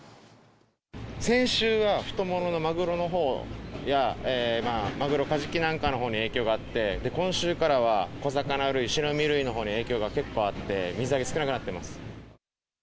先週は、マグロのほうや、マグロ、カジキなんかのほうに影響があって、今週からは小魚類、白身類のほうに影響が結構あって、水揚げ少なくなってます。